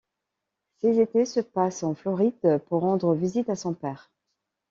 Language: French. Ses étés se passent en Floride pour rendre visite à son père.